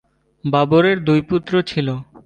বাবরের দুই পুত্র ছিল।